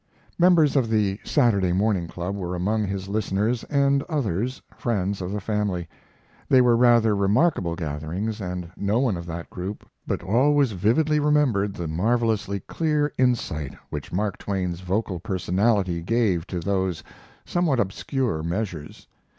Members of the Saturday Morning Club were among his listeners and others friends of the family. They were rather remarkable gatherings, and no one of that group but always vividly remembered the marvelously clear insight which Mark Twain's vocal personality gave to those somewhat obscure measures.